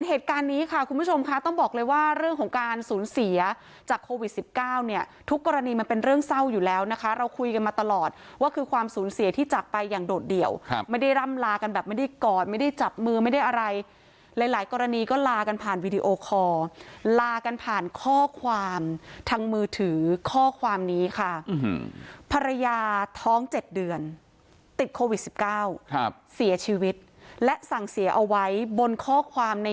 เหตุการณ์นี้ค่ะคุณผู้ชมค่ะต้องบอกเลยว่าเรื่องของการสูญเสียจากโควิด๑๙เนี่ยทุกกรณีมันเป็นเรื่องเศร้าอยู่แล้วนะคะเราคุยกันมาตลอดว่าคือความสูญเสียที่จับไปอย่างโดดเดี่ยวไม่ได้ร่ำลากันแบบไม่ได้กอดไม่ได้จับมือไม่ได้อะไรหลายหลายกรณีก็ลากันผ่านวีดีโอคอลลากันผ่านข้อความทางมือถือข้อความนี้ค่ะ